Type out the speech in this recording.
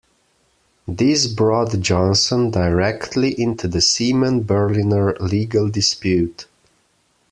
This brought Johnson directly into the Seaman-Berliner legal dispute.